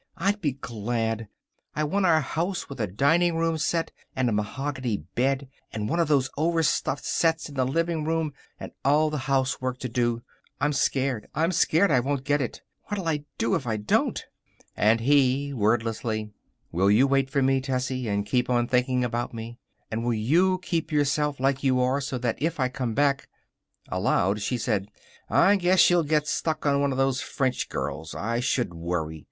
I'd be glad. I want our house, with a dining room set, and a mahogany bed, and one of those overstuffed sets in the living room, and all the housework to do. I'm scared. I'm scared I won't get it. What'll I do if I don't?" And he, wordlessly: "Will you wait for me, Tessie, and keep on thinking about me? And will you keep yourself like you are so that if I come back " Aloud, she said: "I guess you'll get stuck on one of those French girls. I should worry!